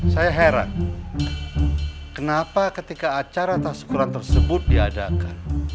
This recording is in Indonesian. saya heran kenapa ketika acara tas syakuran tersebut diadakan